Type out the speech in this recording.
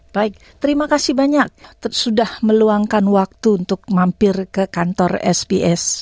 baik terima kasih banyak sudah meluangkan waktu untuk mampir ke kantor sps